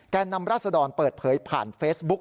นำราศดรเปิดเผยผ่านเฟซบุ๊ก